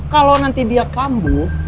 kalau nanti dia kambuh dia akan sembuh